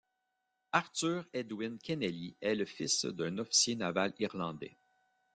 Arthur Edwin Kennelly est le fils d'un officier naval irlandais.